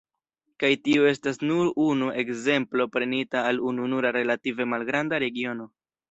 Kaj tio estas nur unu ekzemplo prenita el ununura relative malgranda regiono.